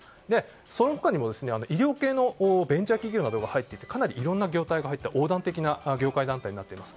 その他にも医療系のベンチャー企業などが入ってかなりいろんな業態が入った団体になっています。